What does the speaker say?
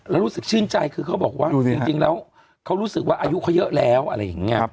แล้วรู้สึกชื่นใจคือเขาบอกว่าจริงแล้วเขารู้สึกว่าอายุเขาเยอะแล้วอะไรอย่างนี้